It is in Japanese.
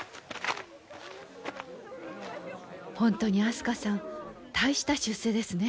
本当に明日香さん大した出世ですね。